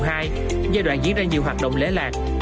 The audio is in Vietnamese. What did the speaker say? giai đoạn diễn ra nhiều hoạt động lễ lạc